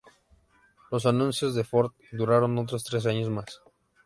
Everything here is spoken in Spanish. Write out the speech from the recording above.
Los anuncios de Ford duraron otros tres años más.